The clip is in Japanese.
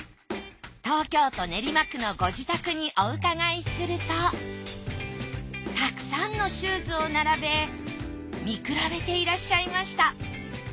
東京都練馬区のご自宅にお伺いするとたくさんのシューズを並べ見比べていらっしゃいました。